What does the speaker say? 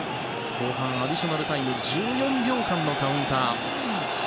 後半アディショナルタイム１４秒間のカウンター。